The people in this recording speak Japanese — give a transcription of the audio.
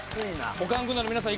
おかん軍団の皆さん